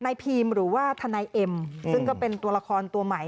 พีมหรือว่าทนายเอ็มซึ่งก็เป็นตัวละครตัวใหม่